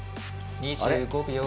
２５秒。